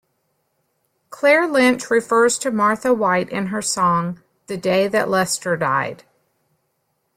Claire Lynch refers to Martha White in her song The Day That Lester Died.